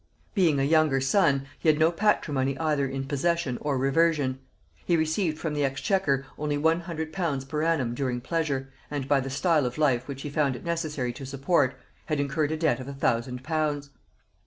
Being a younger son, he had no patrimony either in possession or reversion; he received from the exchequer only one hundred pounds per annum during pleasure, and by the style of life which he found it necessary to support, had incurred a debt of a thousand pounds.